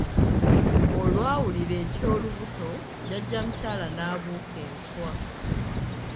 Olwawulira eky'olubuto, jjajja mukyala n'abuuka enswa!